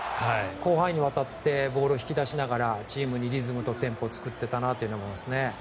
広範囲にわたってボールを引き出しながらチームにリズムとテンポを作っていたなと思いますね。